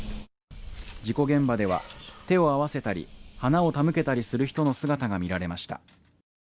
事故現場では手を合わせたり、花を手向けたりする人の姿が見られました。